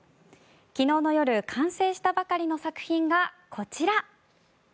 昨日の夜完成したばかりの作品がこちら。